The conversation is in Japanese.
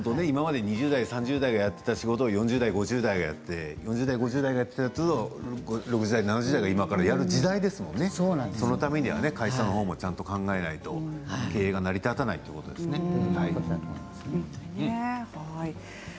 今まで２０代３０代がやっていた仕事を４０代５０代がやって４０代５０代の仕事を６０代７０代がやる時代ですものね、そのためには会社もちゃんと考えないと経営が成り立たないということですね。